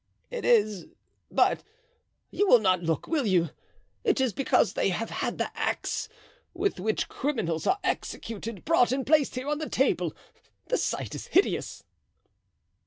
"It is—but you will not look, will you?—it is because they have had the axe, with which criminals are executed, brought and placed there on the table. The sight is hideous."